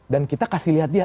dan kita kasih lihat dia